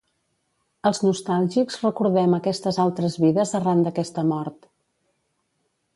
Els nostàlgics recordem aquestes altres vides arran d'aquest mort.